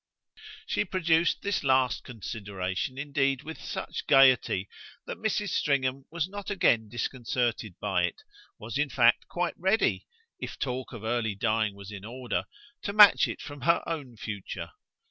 She produced this last consideration indeed with such gaiety that Mrs. Stringham was not again disconcerted by it, was in fact quite ready if talk of early dying was in order to match it from her own future.